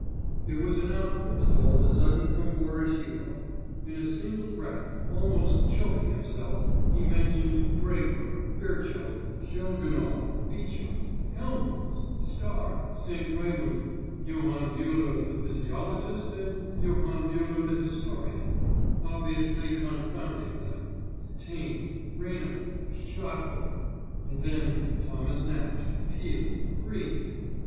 There was an outburst all of a sudden from Voroshilov; in a single breath, almost choking himself, he mentioned Draper, Virchow, Shelgunov, Bichat, Helmholtz, Star, St. Raymund, Johann Müller the physiologist, and Johann Müller the historian obviously confounding them Taine, Renan, Shtchapov; and then Thomas Nash, Peele, Greene....